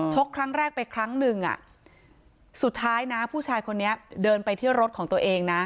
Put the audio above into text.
ครั้งแรกไปครั้งหนึ่งอ่ะสุดท้ายนะผู้ชายคนนี้เดินไปที่รถของตัวเองนะ